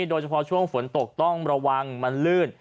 โดยเฉพาะช่วงฝนตกต้องระวังมันลื่น